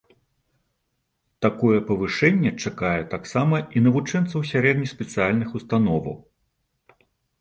Такое павышэнне чакае таксама і навучэнцаў сярэднеспецыяльных установаў.